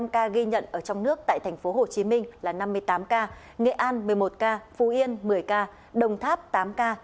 một trăm một mươi năm ca ghi nhận ở trong nước tại tp hcm là năm mươi tám ca nghệ an một mươi một ca phú yên một mươi ca đồng tháp tám ca